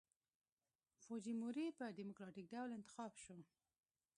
فوجیموري په ډیموکراټیک ډول انتخاب شو.